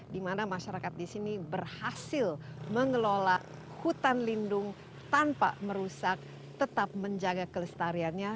di mana masyarakat di sini berhasil mengelola hutan lindung tanpa merusak tetap menjaga kelestariannya